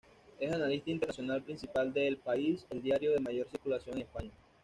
Es analista internacional principal de "El País", el diario de mayor circulación en España.